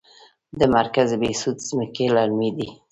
د مرکز بهسود ځمکې للمي دي